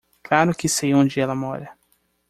Claro que sei onde ela mora.